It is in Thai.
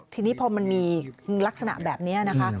ทีนี้พอมันมีลักษณะแบบนี้นะคะ